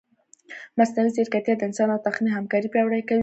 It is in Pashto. مصنوعي ځیرکتیا د انسان او تخنیک همکاري پیاوړې کوي.